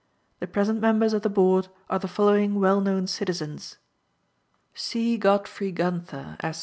The present members of the Board are the following well known citizens: C. GODFREY GUNTHER, Esq.